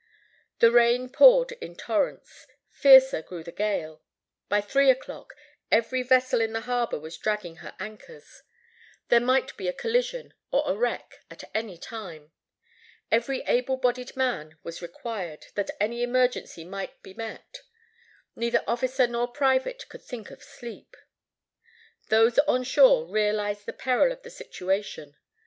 The rain poured in torrents; fiercer grew the gale. By three o'clock every vessel in the harbor was dragging her anchors. There might be a collision, or a wreck, at any time. Every able bodied man was required, that any emergency might be met. Neither officer nor private could think of sleep. Those on shore realized the peril of the situation.